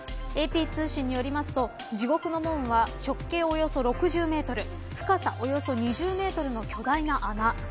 ＡＰ通信によりますと地獄の門は直径およそ６０メートル深さおよそ２０メートルの巨大な穴。